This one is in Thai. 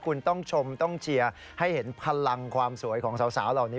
คุณต้องชมต้องเชียร์ให้เห็นพลังความสวยของสาวเหล่านี้